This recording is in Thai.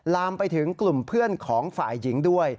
ลามไปถึงกลุ่มเพื่อนของฝ่ายหญิงด้วย